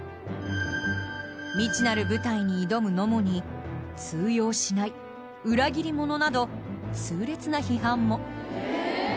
未知なる舞台に挑む野茂に「通用しない」「裏切り者」など痛烈な批判も。